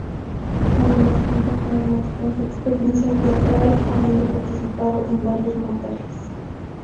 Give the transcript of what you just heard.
Además, cuenta con una extensa experiencia teatral, habiendo participado en varios montajes.